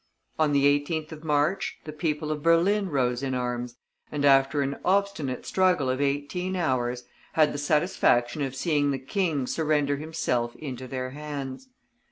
On the 18th of March the people of Berlin rose in arms, and, after an obstinate struggle of eighteen hours, had the satisfaction of seeing the King surrender himself into their hands.